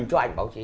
cho ảnh báo chí